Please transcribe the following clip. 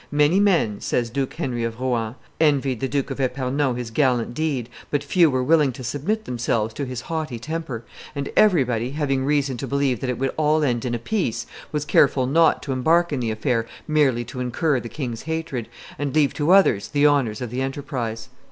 "Many men," says Duke Henry of Rohan, "envied the Duke of Epernon his gallant deed, but few were willing to submit themselves to his haughty temper, and everybody, having reason to believe that it would all end in a peace, was careful not to embark in the affair merely to incur the king's hatred, and leave to others the honors of the enterprise."